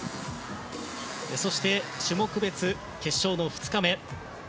そして、種目別決勝の２日目。